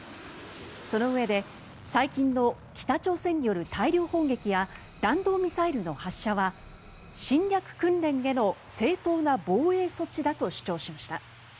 そのうえで最近の北朝鮮による大量砲撃や弾道ミサイルの発射は侵略訓練への正当な防衛措置だと主張しました。